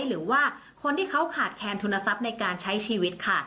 หรือว่าคนที่เขาขาดแคนทุนทรัพย์ในการใช้ชีวิตค่ะ